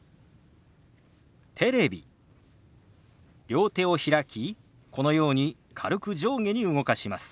両手を開きこのように軽く上下に動かします。